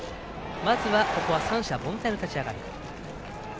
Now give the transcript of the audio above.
まずはここは三者凡退の立ち上がり。